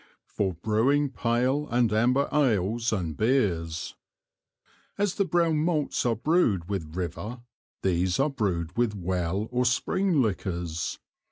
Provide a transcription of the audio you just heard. For Brewing Pale and Amber Ales and Beers. As the brown Malts are Brewed with River, these are Brewed with Well or Spring Liquors.